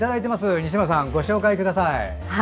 西村さん、ご紹介ください。